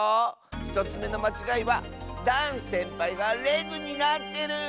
１つめのまちがいはダンせんぱいがレグになってる！